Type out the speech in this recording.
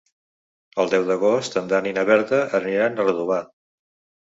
El deu d'agost en Dan i na Berta aniran a Redovà.